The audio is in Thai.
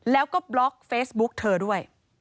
แล้วก็บล็อกเฟซบุ๊กเธอด้วย